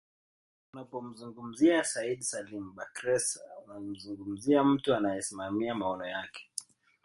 Unapomzungumzia Said Salim Bakhresa unamzungumzia mtu anayesimamia maono yake